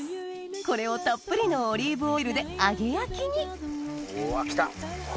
これをたっぷりのオリーブオイルで揚げ焼きにうわきた！